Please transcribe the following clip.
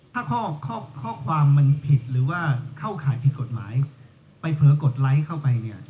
ถ้าข้อข้อข้อความมันผิดหรือว่าเข้าขายผิดกฎหมาย